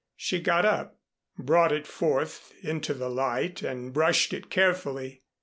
She got up, brought it forth into the light and brushed it carefully.